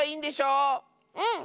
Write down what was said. うん。